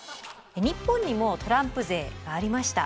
日本にもトランプ税がありました。